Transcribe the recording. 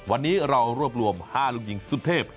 วันนี้เรารวบรวม๕ลูกหญิงสุเทพ